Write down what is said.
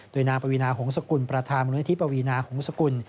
โดยนางปวีนาหงษกุลประธานมูลนิธิปวีนาหงษกุล